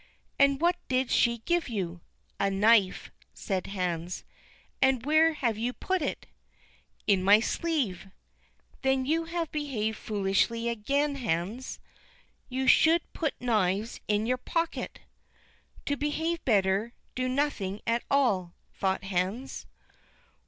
"And what did she give you?" "A knife," said Hans. "And where have you put it?" "In my sleeve." "Then you have behaved foolishly again, Hans; you should put knives in your pocket." "To behave better, do nothing at all," thought Hans.